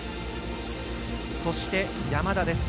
そして、山田です。